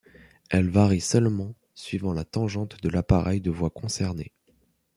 Elle varie seulement suivant la tangente de l'appareil de voie concerné.